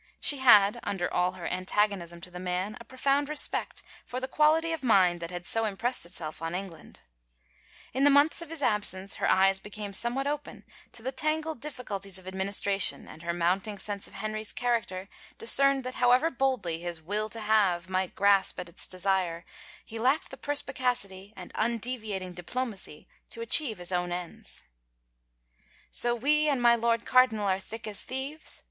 She had, under all her antagonism to the man, a profoimd respect for the quality of mind that had so impressed itself on England. 141 THE FAVOR OF KINGS In the months of his absence her eyes became somewhat open to the tangled difficulties of administration and her mounting sense of Henry's character discerned that how ever boldly his will to have might grasp at its desire he lacked the perspicacity and undeviating diplomacy to achieve his own ends. " So we and my Lord Cardinal are thick as thieves